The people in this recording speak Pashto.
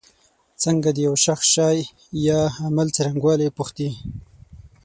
څنګه د یو شخص شي یا عمل څرنګوالی پوښتی.